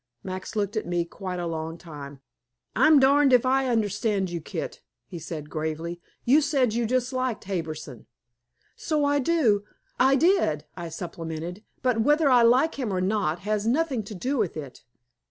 Max looked at me quite a long time. "I'm darned if I understand you, Kit," he said gravely. "You said you disliked Harbison." "So I do I did," I supplemented. "But whether I like him or not has nothing to do with it.